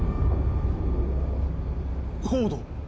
・コード？